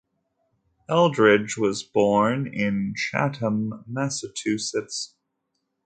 Eldredge was born in Chatham, Massachusetts.